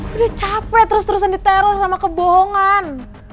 udah capek terus terusan diteror sama kebohongan